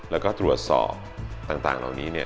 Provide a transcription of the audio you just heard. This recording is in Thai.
แล้วก็ตรวจสอบต่างเหล่านี้เนี่ย